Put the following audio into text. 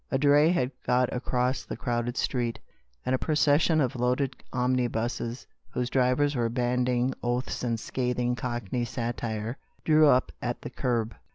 A dray had got across the narrow street, and a procession of loaded omnibuses, whose drivers were bandying oaths and scathing Cockney satire, drew up at the curb.